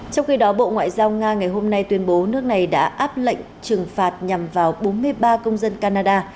trong khi đó bộ ngoại giao nga ngày hôm nay tuyên bố nước này đã áp lệnh trừng phạt nhằm vào bốn mươi ba công dân canada